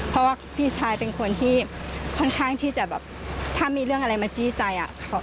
เพราะว่าพี่ชายเป็นคนที่ค่อนข้างที่จะแบบถ้ามีเรื่องอะไรมาจี้ใจ